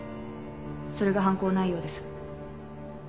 それが犯行内容です。